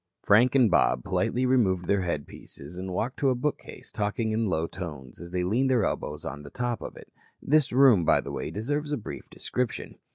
Frank and Bob politely removed their headpieces and walked to a bookcase, talking in low tones, as they leaned their elbows on the top of it. This room, by the way, deserves a brief description.